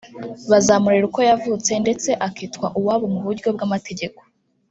bazamurera uko yavutse ndetse akitwa uwabo mu buryo bw’amategeko